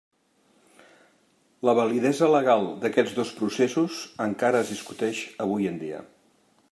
La validesa legal d'aquests dos processos encara es discuteix avui en dia.